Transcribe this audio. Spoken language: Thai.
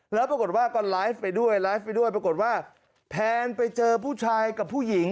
แล้วปรากฏว่าก่อนไลฟ์ไปด้วยปรากฏว่าแผนไปเจอผู้ชายกับผู้หญิง